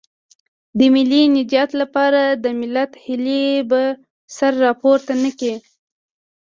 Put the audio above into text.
د ملي نجات لپاره د ملت هیلې به سر راپورته نه کړي.